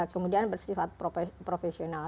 kemudian bersifat profesional